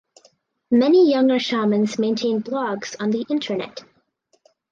Many younger shamans maintain blogs on the Internet.